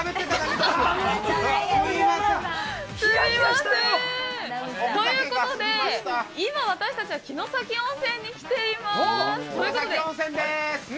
ということで今、私たちは城崎温泉に来ています。